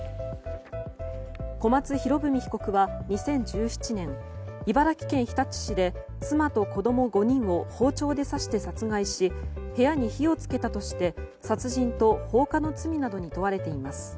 小松博文被告は２０１７年茨城県日立市で妻と子供５人を包丁で刺して殺害し部屋に火を付けたとして殺人と放火の罪などに問われています。